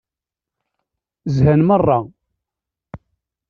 Zhan meṛṛa.